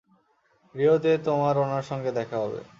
রিওতে তোমার ওনার সঙ্গে দেখা হবে।